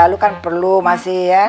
lo kan perlu masih